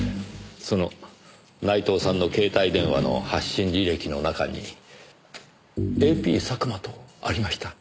その内藤さんの携帯電話の発信履歴の中にＡＰ佐久間とありました。